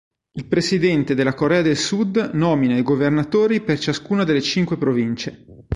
Il presidente della Corea del Sud nomina i governatori per ciascuna delle cinque province.